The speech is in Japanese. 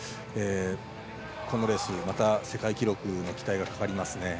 このレース、また世界記録の期待がかかりますね。